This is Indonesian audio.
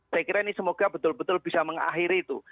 saya kira ini semoga betul betul bisa mengakhiri itu